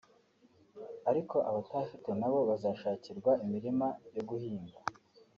ariko abatahafite nabo bazashakirwa imirima yo guhinga